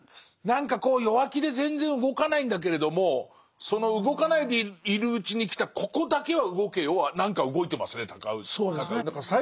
何か弱気で全然動かないんだけれどもその動かないでいるうちに来たここだけは動けよは何か動いてますね尊氏。